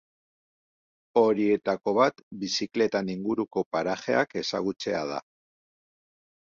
Horietako bat bizikletan inguruko parajeak ezagutzea da.